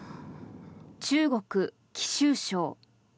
中国・貴州省。